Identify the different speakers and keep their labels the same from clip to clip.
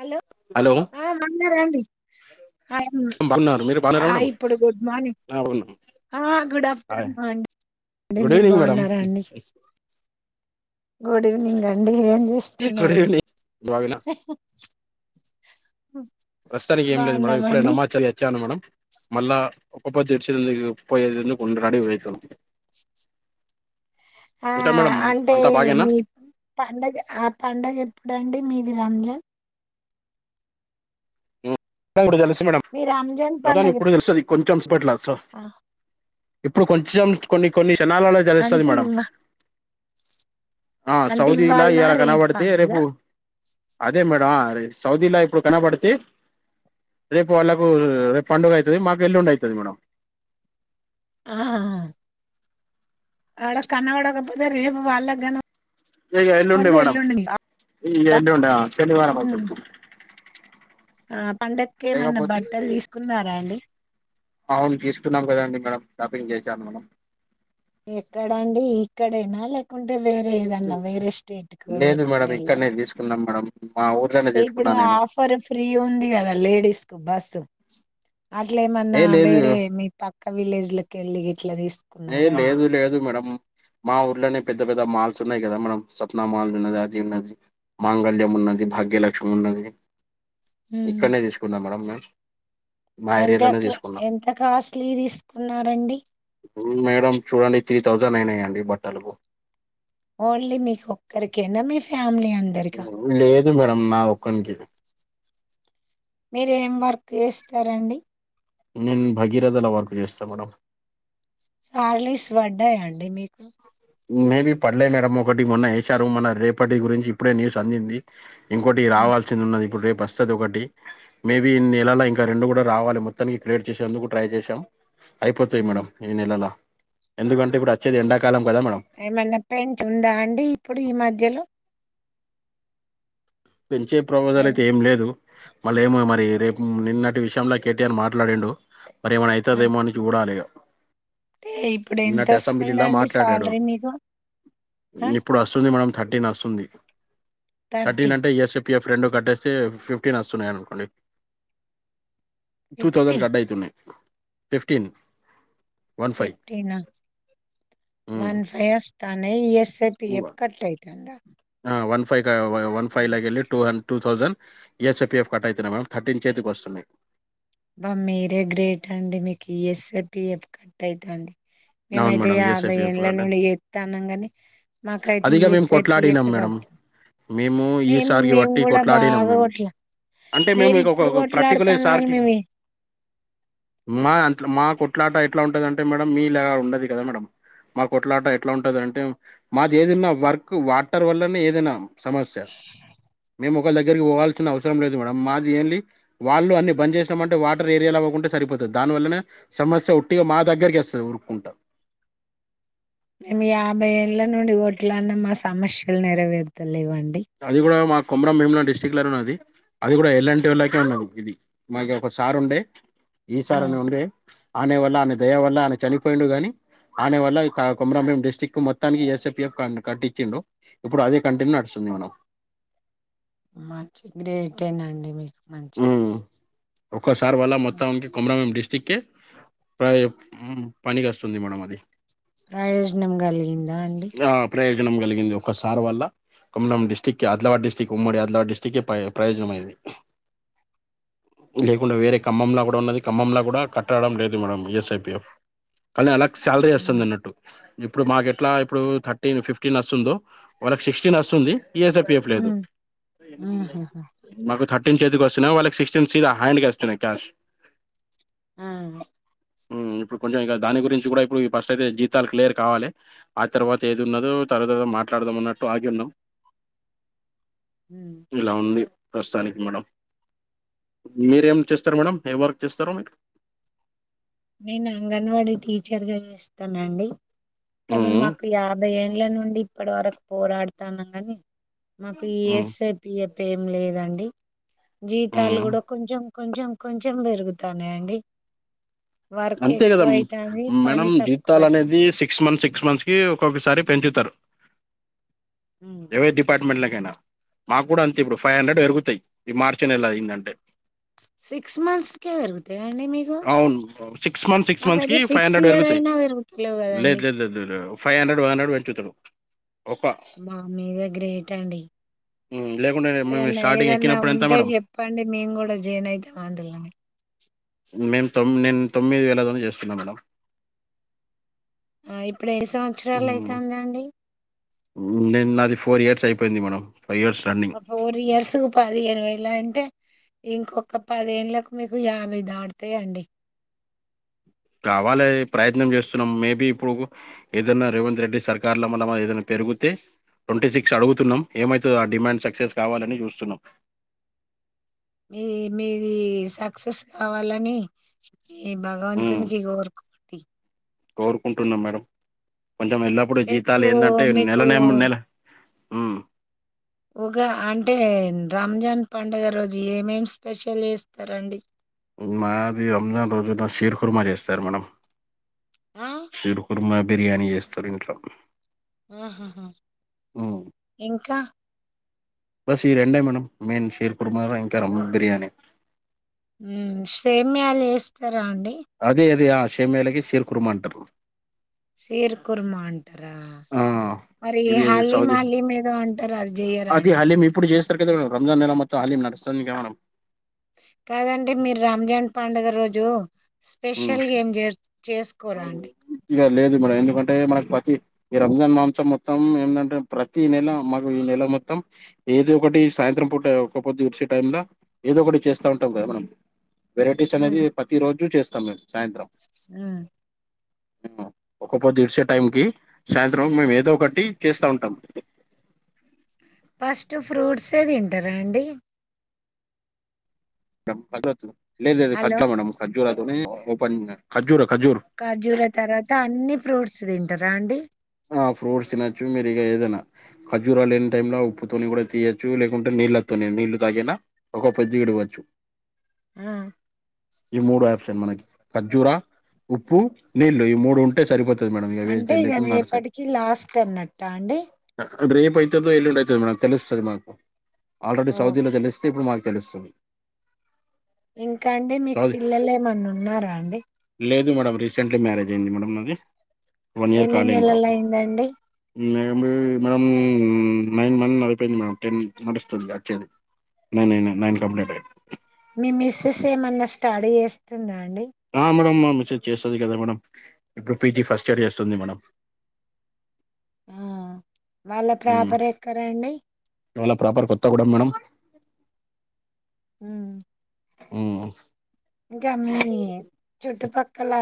Speaker 1: Hello
Speaker 2: hello
Speaker 1: ఆ మన్నారా అండి
Speaker 2: బాగున్నారు మీరు బాగున్నారా మేడం
Speaker 1: ఇప్పుడు గుడ్ మార్నింగ్
Speaker 2: ఆ బాగున్నాం
Speaker 1: ఆ గుడ్
Speaker 2: హాయ్
Speaker 1: ఆఫ్టర్నూన్ అండి
Speaker 2: గుడ్
Speaker 1: మీరు
Speaker 2: ఈవినింగ్ మేడం
Speaker 1: బాగున్నారా అండి గుడ్ ఈవినింగ్ అండి ఏం
Speaker 2: గుడ్
Speaker 1: స్తున్నారండి
Speaker 2: ఈవినింగ్ బాగేనా ప్రస్తుతానికి ఏం లేదు మేడం ఇప్పుడే నమాజ్ చదివి వచ్చాను మేడం మళ్ళా ఒకపొద్దు ఇడిచేందుకు పోయేందుకు రెడి అయితున్న
Speaker 1: ఆ
Speaker 2: ఇంకా మేడం
Speaker 1: అంటే
Speaker 2: అంతా బాగేనా
Speaker 1: మీ పండగ ఆ పండగ ఎప్పుడుండి మీది రంజాన్
Speaker 2: ఉమ్ ఎప్పుడని ఇప్పుడు తెలుస్తది మేడం
Speaker 1: మీ రంజాన్
Speaker 2: ఎప్పుడని
Speaker 1: పండగ
Speaker 2: ఇప్పుడు
Speaker 1: ఎప్పు-
Speaker 2: తెలుస్తది కొం చం స్పెట్లా సా
Speaker 1: ఆ,
Speaker 2: ఇప్పుడు కొంచం కొన్ని కొన్ని క్షణాలల తెలుస్తది
Speaker 1: అంటే
Speaker 2: మేడం
Speaker 1: ఇవ్వ
Speaker 2: ఆ
Speaker 1: అంటే
Speaker 2: సౌదీలా
Speaker 1: ఇవ్వాలనా
Speaker 2: ఇయాలా
Speaker 1: రేపా
Speaker 2: కనవడితే
Speaker 1: అనేదా
Speaker 2: రేపు అదే మేడం సౌదీలా ఇప్పుడు కనబడితే రేపు వాళ్ళకు రేపు పండుగ అయితది మాకు ఎల్లుండి అయితది మేడం
Speaker 1: ఆ ఆడా కనవడకపోతే రేపు వాళ్ళగన
Speaker 2: ఇగ ఎల్లుండి మేడం ఈ ఎల్లుండి ఆ శనివారం అయితది
Speaker 1: ఆ పండక్కేమన్నా బట్టలు తీసుకున్నారా అండి
Speaker 2: అవును తీసుకున్నాం కదండి మేడం షాపింగ్ చేసాను మేడం
Speaker 1: ఎక్కడండి ఇక్కడేనా లేకుం టే వేరే ఏదన్నా వేరే స్టేట్కి పోయి
Speaker 2: లేదు మేడం
Speaker 1: ఎట్టన్నా
Speaker 2: ఇక్కడనే
Speaker 1: ఎల్లారా
Speaker 2: తీసుకున్నాం మేడం మా ఊర్లోనే
Speaker 1: అయితే
Speaker 2: తీసుకున్నా
Speaker 1: ఇప్పుడు
Speaker 2: నేను
Speaker 1: ఆఫర్ ఫ్రీ ఉంది కదా లేడీస్ కు బస్సు అట్ల
Speaker 2: ఏ
Speaker 1: ఏమన్నా
Speaker 2: లేదు
Speaker 1: వేరే మీ పక్క విలేజ్ లకి వెళ్ళి
Speaker 2: ఏ లేదు లేదు మేడమ్ మా ఊర్లనే పెద్ద పెద్ద మాల్స్ ఉన్నాయి కదా మనం సప్నా మాల్స్ ఉన్నది అది ఉన్నది మాంగళ్యం ఉన్నది భాగ్యలక్ష్మి ఉన్న ది
Speaker 1: ఉహు
Speaker 2: ఇక్కడనే తీసుకున్నాం మేడమ్ మేం
Speaker 1: ఎంత క్లా ఎంత కాస్ట్లీ తీసుకున్నారండి
Speaker 2: ఉ మేడం చూడండి త్రీ థౌజండ్ అయినాయండి బట్టలకు
Speaker 1: ఓన్లీ మీకొక్కరికేనా మీ ఫ్యా
Speaker 2: ఉమ్ లేదు మేడమ్ నా ఒక్కనికే
Speaker 1: మీరు ఏం వర్క్ చేస్తారండి
Speaker 2: నేను భగీరథల వర్క్ చేస్తా మేడం
Speaker 1: సార్లీస్ వడ్డాయా అండి మీకు
Speaker 2: మేబి పడలే మేడం ఒకటి మొన్న ఏసారు మొన్న రేపటి గురించి ఇప్పుడే న్యూస్ అందింది ఇంకోటి
Speaker 1: ఉమ్
Speaker 2: రావాల్సింది ఉన్నది ఇప్పుడు రేపు వస్తది ఒకటి మేబి ఈ నెలలా ఇంకా రెండు కూడా రావాలి మొత్తం ఈ క్రియేట్ చేసేందుకు ట్రై చేసాం అయిపోతాయి
Speaker 1: ఉమ్
Speaker 2: మేడం ఈ నెలల ఎందుకంటే ఇప్పుడు అచ్చేది ఎండాకాలం కదా మేడం
Speaker 1: ఏమన్నా పెంచ్ ఉందా అండి ఇప్పుడు ఈ మధ్యలో
Speaker 2: పెంచే ప్రవోజల్
Speaker 1: అన్
Speaker 2: అయితే ఏం లేదు మళ్ళ ఏమో మరి
Speaker 1: అంటే
Speaker 2: రేపు నిన్నటి విషయంలో కేటీఆర్ మాట్లాడిండు మరి ఏమైనా
Speaker 1: ఆ
Speaker 2: అయితదేమో అని చూడాలి ఇగ
Speaker 1: అంటే ఇప్పుడు ఎంత
Speaker 2: నిన్నటి అసెంబ్లీలా
Speaker 1: వస్తుందండి
Speaker 2: మాట్లాడాడు
Speaker 1: సాలరీ మీకు ఆ?
Speaker 2: ఇప్పుడు వస్తుంది మనం థట్టీన్ వస్తుంది
Speaker 1: థర్టీ
Speaker 2: థర్టీన్ అంటే ఇ ఎస్, పి ఎఫ్ రెండు కట్టేస్తే ఫిఫ్టీన్ వస్తున్నాయి అనుకోండి టూ
Speaker 1: ఫిఫ్టీ
Speaker 2: థౌసండ్ కట్ అయితున్నాయి ఫిఫ్టీన్ వన్ ఫైవ్
Speaker 1: ఫఫ్టీనా వన్ ఫై వస్తాన్నాయి E S P F cut అయితాందా
Speaker 2: ఆ వన్ ఫై క వన్ ఫైవ్ లకెల్లి to two thousand E S, P F cut అయితున్నయి మేడం థట్టిన్ చేతికి వస్తున్నాయి.
Speaker 1: అబ్బ మీరే గ్రేట్ అండి మీకు ఈ ఎస్, పిఎఫ్ కట్ అయితాంది.
Speaker 2: అవును
Speaker 1: మేమైతే
Speaker 2: మేడం
Speaker 1: యాభై
Speaker 2: ఈఎస్ఐపిఎఫ్
Speaker 1: ఏండ్ల
Speaker 2: కట్
Speaker 1: నుండి చేస్తాన్నాం గాని మాకు అయితే
Speaker 2: అదిగా
Speaker 1: ఏ
Speaker 2: మేము
Speaker 1: సెట్
Speaker 2: కొట్లాడినాం మేడం
Speaker 1: కాలుది
Speaker 2: మేము ఈ
Speaker 1: మేం
Speaker 2: సార్కి
Speaker 1: మేం
Speaker 2: బట్టి
Speaker 1: కూడా
Speaker 2: కొట్లాడినాం
Speaker 1: బాగా
Speaker 2: మేము
Speaker 1: కొట్లా
Speaker 2: అంటే మేము
Speaker 1: మీరు
Speaker 2: ఇక ఒక
Speaker 1: ఇప్పుడు
Speaker 2: ఒక పర్టికులర్
Speaker 1: కొట్లాడుతానరు కాని
Speaker 2: సార్కి
Speaker 1: మేమ్
Speaker 2: మా అట్ మా కొట్లాట ఎట్లా ఉంటందంటే మేడం మీ లాగా ఉండది కదా మేడ మా కొట్లాట ఎట్లా ఉంటదటే మాది ఏదైన్నా వర్క్ వాటర్ వల్లనే ఏదైనా సమస్య మేము ఒకళ దగ్గరికి పోవాల్సిన అవసరం లేదు మేడం మాది ఏంలీ వాళ్ళు అన్ని బంద్ చేసినాము అంటే వాటర్ ఏరియాలా పోకుంటే సరిపోతుంది దాని వల్లనే సమస్య ఒట్టిగా మా దగ్గరికి వస్తుంది ఉరుక్కుంటా
Speaker 1: ము యాభై ఎల నుండి కోట్లడినము మా సమస్యలు నెరవేరుత
Speaker 2: అది కూడా మా కొమరం భీములం డిస్టిక్ట్ లలోన్నది అది కూడా ఎలాంటి వాళ్ళకే ఉన్నా ఇది మాకు ఒకసార్ ఉండే
Speaker 1: ఆ
Speaker 2: ఈసార్ అని ఉండే ఆనే వల్ల ఆమె దయ వల్ల ఆయన చనిపోయిండు గాని ఆనే వల్ల కొమరంపురం డిస్టటిక్ట్ కు మొత్తానికి ఎస్పిఎఫ్ కట్టించండు ఇప్పుడు అదే కంటిన్యూ నడుస్తుాంది స్తుంది మేడం
Speaker 1: మంచి గ్రేట్యేనాండి మీకు మంచిగా
Speaker 2: ఒక సార్ వల మోత్తానికి కొమరం బీమ్ డిస్ చిక్కే ప్ర పనికి వస్తుంది మేడం అది
Speaker 1: ప్రయోజనం కలిగిందా అండి
Speaker 2: ఆ ప్రయోజనం కలిగింది ఒకసార్ వల్ల కొమ్మలం డిస్టిక్ి ఆదిలాబాద్ డిస్టిక్ ఉమ్మడి ఆదిలాబద్ డిస్టిక్ే ప్ర ప్రయోజనమైంది లేకుండా వేరే ఖమ్మంలా కూడా ఉన్నది ఖమ్మంలా కూడా కట్టడం లేదు మేడం ఎస్ఐపి కానీ అలా శాలరీ వస్తుంది అన్నట్టు ఇప్పుడు మాకు ఎట్లా ఇప్పుడు థర్టీన్ ఫిఫ్టీన్ వస్తుందో వాళ్ళకి సిక్స్టీన్ వస్తుంది పిఫ్ లేదు
Speaker 1: ఉమ్ ఆహాహా
Speaker 2: కు వస్తున్నా వాళ్ళకి సిక్స్టీన్ హ్యాండ్గా వస్తున్నాయి క్యాష్
Speaker 1: ఆ
Speaker 2: ఇప్పుడు కొంచెం ఇంక దాని గురించి కూడా ఇప్పుడు ఫస్ట్ అయితే జీతాలు క్లియర్ కావాలి ఆ తర్వాత ఏది ఉన్నదో తర్వాత మాట్లాడదాం అన్నట్టు ఆగి ఉన్నాం
Speaker 1: ఉమ్
Speaker 2: ఇలా ఉంది ప్రస్తుతానికి మేడం మీరేం ఏం చేస్తారు మేడమ్ ఎం వర్క్ చేస్తారు మీరు
Speaker 1: నేను అంగన్వాడీ టీచర్గా ఇస్తానండి కానీ
Speaker 2: ఉమ్
Speaker 1: మాకు యాభై ఎన్ల నుండి ఇప్పటి వరకు పోరాడుతాన్నాము కానీ మాకు ఈ
Speaker 2: ఉమ్
Speaker 1: ఎస్పిపిఎఫ్ ఏం లేదండి జీతాలు
Speaker 2: ఉమ్
Speaker 1: కూడా కొంచెం కొంచెం కొంచెం పెరుగుతానయి అండి
Speaker 2: అంతే కదా మేడం
Speaker 1: తక్కువ
Speaker 2: జీతాల
Speaker 1: అయితాంది
Speaker 2: అనేది సిక్స్ మంత్స్ సిక్స్ మంత్స్ కి ఒక్కొక్కసారి పెంచుతారు ఏవై డిపార్ట్మెంట్ నా మాకు కూడా అంతే ఇప్పుడు ఫైవ్ హండ్రెడ్ పెరుగుతాయి ఇది మార్చిినేలా అయిందంటే
Speaker 1: సిక్స్ మంత్స్ కే పెరుగు
Speaker 2: అవును సిక్స్ మంత్స్ సిక్స్ మంత్స్ కి
Speaker 1: మాకైతే
Speaker 2: ఫైవ్
Speaker 1: సిక్స్
Speaker 2: హండ్రెడ్
Speaker 1: ఇయర్
Speaker 2: పెరుగుతాయి
Speaker 1: అయినా పెరుగుతలేవు
Speaker 2: లేదు
Speaker 1: కదండి
Speaker 2: లేదుదు ఫైవ్ హండ్రెడ్ వన్ హండ్రెడ్ పెట్టింటారు
Speaker 1: మా మీదే గ్రేట్ అండి
Speaker 2: ఉమ్, లేకుంటే మేము
Speaker 1: ఏదన్నా
Speaker 2: స్టార్టింగ్
Speaker 1: ఏదన్నా
Speaker 2: ఎక్కినప్పుడు ఎంత
Speaker 1: ఉంటే
Speaker 2: మేడం
Speaker 1: చెప్పండి మేము కూడా జైన్ అవుతాం అందులో
Speaker 2: మేము తొమ్ నేను తొమ్మిది వేలమంది చేస్తున్నం మేడం
Speaker 1: ఆ ఇప్పుడు ఎన్ని సంవత్సరాలు అయితంది అండి
Speaker 2: నిను నాది ఫోర్ ఇయర్స్ అయిపోయింది మేడం ఫైవ్ ఇయర్స్ రన్నింగ్
Speaker 1: అప్పు ఇయర్సుకు పాది ఏనువేలా అంటే ఇంకొక పదేళ్లకు మీకు యాభై దాటుతాయండి
Speaker 2: రావాలే ప్రయత్నం చేస్తున్నాం మేబి ఇప్పుడు ఏదైన్నా రేవంత్ రెడ్డి సర్కార్ లో మన ఏదైనా జరిగితే ట్వంటీ సిక్స్ అడుగుతున్నాం ఏమైతుదో ఆ డిమాండ్ సక్సెస్ కావాలని చూస్తున్నాం
Speaker 1: మీ మీది సక్సెస్ కావాలని ఈ
Speaker 2: హ్మ్.
Speaker 1: భగవంతునికి ఇగొ వర్క్ కొది
Speaker 2: కోరుకుంటున్నాం మేడం. కొంచెం ఎల్లప్పుడుూ జీతాలేదంటే నెల
Speaker 1: మీకు
Speaker 2: నెమ్ నెల హ్మ్.
Speaker 1: ఉగా అంటే రంజాన్ పండుగ రోజు ఏమేమి స్పెషల్ చేస్తరండి
Speaker 2: మాది రంజాన్ రోజున ఫీర్ కుర్మ చేస్తారు మన
Speaker 1: ఆ?
Speaker 2: షీర్ కుర్మ బిర్యానీ చేస్తార్ ఇంట్ల
Speaker 1: ఆహహ ఇంకా
Speaker 2: బస్ ఈ రెండే మేడం మెయిన్ షీర్ కుర్మ ఇంక దమ్ బిర్యానీ
Speaker 1: ఉ సేమ్యాల్ వేస్తార్
Speaker 2: అదే అదే ఆ షేమేలకి శీర్ కుర్మ అంటారు
Speaker 1: షీర్ కుర్మా అంటరా
Speaker 2: ఆ!
Speaker 1: మరి
Speaker 2: ఇది
Speaker 1: హలీీమ్
Speaker 2: సౌదీ
Speaker 1: హ తీయ ఏదో అంటారా అది చెయ్యరాా అండి
Speaker 2: అట్ట కాద్ రంజాన్ నెలా మొత్తం హలీం నడస్తుంది గా మేడం
Speaker 1: కాదండి మీరు రామ్జాన్ పండగ రోజు
Speaker 2: ఉమ్
Speaker 1: స్పెషల్గ ఎంచేసుకు కోరండి
Speaker 2: ఇగ లేదు మేడం ఎందుకంటే మన ప్రతి ఈ రంజాన్ మాంసం మొత్తం ఏందంటే ప్రతి నెల మాకు ఈ నెల మొత్తం ఏదో ఒకటి సాయంత్రం పూట ఒక పొద్దు టైమ్ల ఏదో ఒకటి చేస్తా ఉంటాం కదా మనం వెరైటీస్ అనేది ప్రతి రోజు చేస్తాం మేము సాయంత్రం
Speaker 1: ఉ
Speaker 2: ఉక్క పోతి విడిసె టైమ్
Speaker 1: హ్మ్.
Speaker 2: కి సాయంత్రం మేము ఏదో ఒకటి చేస్తా ఉంటాం
Speaker 1: ఫస్ట్ ఫ్రూట్సె తింటారా అండి
Speaker 2: లేదు లేదు
Speaker 1: హలో!
Speaker 2: ఖజు మే ఖర్జూర తోనే ఓపెన్ ఖర్జూర ఖర్జూర్
Speaker 1: ఖర్జూర తర్వాత అన్ని ఫ్రూట్స్ తింటరా అండి
Speaker 2: ఆ ఫ్రూట్స్ తినొచ్చు మీరు ఇగ ఏదనా ఖజూరా లేని టైమ్లో ఉప్పుతోని కూడా తీయొచ్చు లేకుంటే నీళ్ళతో నీళ్ళ తాగిన ఒక పెొద్దు ఇడవచ్చు
Speaker 1: ఉ
Speaker 2: ఈ మూడు ఆప్షన్ మనకి ఖర్జూర ఉప్పు నీళ్లు ఈ మూడు ఉంటే సరిపోతు మేడం ఇగ ఉన్నారు
Speaker 1: కి లాస్ట్ అన్నట్ట అండి
Speaker 2: రేపు అయితదొ ఎల్లుండి అయితదో మేడం తెలుస్తుంది మాకు ఆల్రెడీ
Speaker 1: ఓహ్!
Speaker 2: సౌదీలో తెలుస్తుంది ఇప్పుడు మాకు తెలుస్తుంది
Speaker 1: ఇంకా అండి మీకు
Speaker 2: సౌదీ
Speaker 1: పిల్లలు ఏమన్నా ఉన్నార అండి
Speaker 2: లేదు మేడం రీసెంట్లి మ్యారేజ్ అయింది మేడం నాది వన్ ఇయర్
Speaker 1: ఎన్ని
Speaker 2: కాలె ఇంకా
Speaker 1: నెలలయిందండి?
Speaker 2: మేడ నైన్ మంత్ నడిపోయింది మేడంటెన్ నడుస్తుంది యాక్చు నైనై నైన్ కంప్లీట్
Speaker 1: మీ మిస్సెస్ ఏమన్న స్టడీ చేస్తుందా అండి?
Speaker 2: అహా మేడం మ మిస్సెస్ చేస్త కదా మేడం ఇప్పుడు పి జి ఫస్ట్ ఇయర్ చేస్తుంది మేడం
Speaker 1: హా వాళ్ళ ప్రాపర్ ఎక్కరండి
Speaker 2: ఇవాళ ప్రాపర్ కొత్తగూడెం మేడం
Speaker 1: ఇంకా మీ చుట్టుపక్కల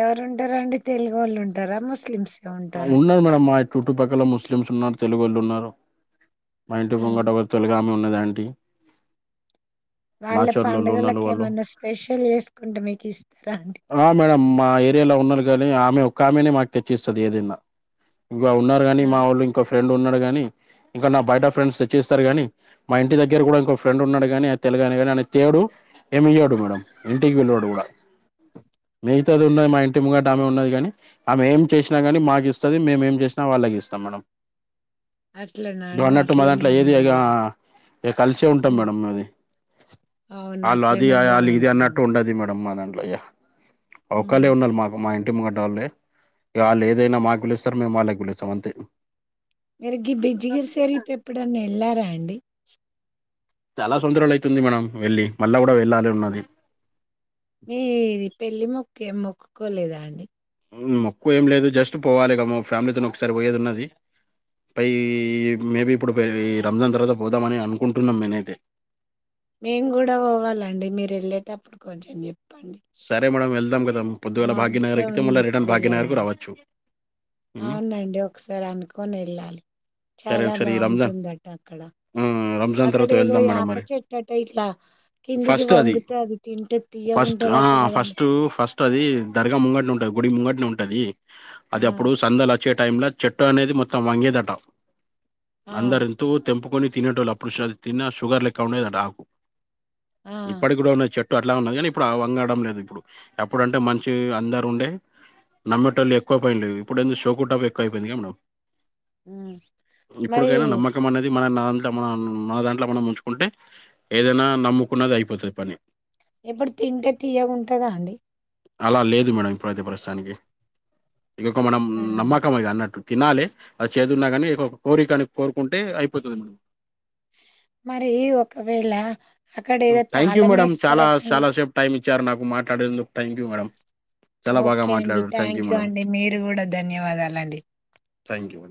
Speaker 1: ఎవరు ఉంటరండి తెలుగు వాళ్ళు ఉంటారా ముస్లిమ్స్
Speaker 2: ఉన్నారు మేడం మా చుట్టుపక్కల ముస్లిమ్స్ ఉన్నారు తెలుగోళ్ళు ఉన్నారు మా ఇంటి
Speaker 1: హ్మ్
Speaker 2: పొంగట ఒక తొలగామి ఉన్నదాంటి
Speaker 1: వాళ్ళ పండుగలకు ఏమన్నా స్పెషల్ చేసుకుంటే మీకు ఇస్తరా అండి
Speaker 2: ఆ మేడం మా ఏరియాలో ఉన్నారు కానీ ఆమె ఒక్క ఆమెనే మాకు తెచ్చిస్తది ఏదైనా ఇంకా ఉన్నారు కాని
Speaker 1: ఆ
Speaker 2: మా వాళ్ళు ఇం ఫ్రెండ్ ఉన్నాడుగాని ఇంక నా బయట ఫ్రెండ్స్ తెచ్చిస్తారు గానీ మా ఇంటి దగ్గర కూడ ఇంకో ఫ్రెండ్ ఉన్నాడు కాని అ ని ని అనే తేడు ఏమయ్యాడు మేడం ఇంటికి పిల్వడు కూడ మిగిత అది ఉన్నది మా ఇంటి ముంగడ ఆమె ఉన్నది కాని ఆమె ఏం చేసిిన కానీ మాకు ఇస్తుంది మేము ఎం చేసినా వాళ్ళకి ఇస్తాం మేడం
Speaker 1: అట్లన అండి అట్లనే ఉండాలా
Speaker 2: ఇ కలిసే ఉంటాం మేడం అది
Speaker 1: అవును
Speaker 2: అల్ అది
Speaker 1: అట్లనే
Speaker 2: అల్ ఇది అన్నట్టు
Speaker 1: బాగుంటదండి
Speaker 2: ఉండది మేడమ్ మానం య్యా అవకాళే
Speaker 1: హ్మ్
Speaker 2: ఉండాలి మాకు మా ఇంటి ముంగటోళ్ళే వాళ్ళు ఏదైనా మాకు పిలుస్తారు మేము వాళ్ళకి పిలుస్తాం అంతే
Speaker 1: మిరుగి బిజ్జిగిరి సెర్లి పెప్పుడన్ని వెళ్ళారా అండి
Speaker 2: చాలా సొందరాలు అయితుంది మనం వెళ్ళి మళ్ళా కూడా వెళ్ళాలి ఉన్నది
Speaker 1: మీది పెళ్లిి మొక్కు ఏం మొక్కుకోలేదా అండి
Speaker 2: మోక్కువ ఏం లేదు జస్ట్ పోవాలిగా ఫ్యామిలీతో ఒకసారి పోయేది ఉన్నది పై మేబి ఇప్పుడు రంజాన్ తర్వాత పోదామని అనుకుంటున్నాం మేనైతే
Speaker 1: మేము కూడా పోవాలండి మీరు వెళ్ళేటప్పుడు కొంచెం చెప్ప
Speaker 2: సరే మేడం ఎల్
Speaker 1: మాకు కూడా ఉంది ఇప్పు
Speaker 2: భాగ్యనగర్కు
Speaker 1: వెళ్ళడానికి
Speaker 2: రావచ్చు ఉమ్,
Speaker 1: అవునండి ఒకసారి అనుకొని వెళ్ళాలి
Speaker 2: సరే
Speaker 1: చాలా
Speaker 2: ఒకసారి ఈ రంజాన్
Speaker 1: బాగుంటుందంట అక్కడ
Speaker 2: ఆ, రంజాన్
Speaker 1: అక్కడ
Speaker 2: తర్వాత
Speaker 1: ఏదో
Speaker 2: వెళ్దాం మేడం
Speaker 1: ఆప
Speaker 2: మరి
Speaker 1: చెట్టట ఇట్లా కిందికి వంగుత అది తింటే తీయ ఉంటది
Speaker 2: ఆ ఫస్ట్ ఫస్ట్ అది దర్గా ముంగటి ఉంటది గుడి ముంగటి ఉంటది
Speaker 1: ఆ!
Speaker 2: అది అప్పుడు సందలు వచ్చే టైమ్ లో చెట్టు అనేది మొత్తం వంగే తంటం
Speaker 1: ఆ!
Speaker 2: అందరి ఎంతో తెంపుకొని తినేటోళ్ళు అప్పుడు తిన్న షుగర్ లెక్క ఉండేది అట
Speaker 1: ఆ!
Speaker 2: ఇప్పటి కూడా ఉన్న చెట్ అట్లా ఉన్న కానీ ఇప్పుడు వంగడం లేదు ఇప్పుడు అప్పుడంటే మంచి అందరు ఉండే నమ్మటోలు ఎక్కువ పోయినలేవు ఇప్పుడు ఏో షోకుటాప్ ఎక్కువ అయిపోయింది గ మేడం
Speaker 1: ఉ
Speaker 2: ఇప్పుడికైనా నమ్మకం అనేది మనంత మనం మన దాంట్లో మనం ఉంచుకుంటే ఏదైనా నమ్ముకున్నది అయిపోతుంది పని
Speaker 1: ఎప్పుడు తింటే తీియ ఉంటదా అండి
Speaker 2: అలా లేదు మేడం ఇప్పుడైతే ప్రస్తుతానికి ఇకొక మనం
Speaker 1: ఆ!
Speaker 2: నమ్మకం ఇది అన్నట్టు తినాలి అది చేదున్నా కాని కోరికని కోరుకుంటే అయిపోతది
Speaker 1: మరి ఒకవేళ అక్కడేదో
Speaker 2: థ్యాంక్ యూ మేడం చాలా
Speaker 1: తాళమేస్తారటండి.
Speaker 2: చాలా సేపు టైమ్ ఇచ్చారు నాకు మాట్లాడేందుకు థ్యాంక్ యూ మేడం చాలా బాగా
Speaker 1: ఓకే అండి
Speaker 2: మాట్లాడారు.
Speaker 1: Thank you
Speaker 2: madam.
Speaker 1: అండి మీరు కూడా ధన్యవాదాలండి
Speaker 2: థ్యాంక్ యూ.